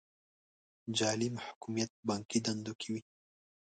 جعلي محکوميت بانکي دندو کې وي.